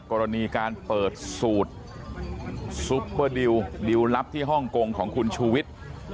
กรณีการเปิดสูตรซุปเปอร์ดิวดิวลลับที่ฮ่องกงของคุณชูวิทย์